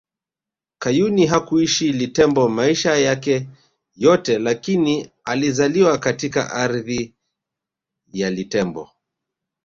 Kayuni hakuishi Litembo maisha yake yote lakini alizaliwa katika ardhi ya Litembo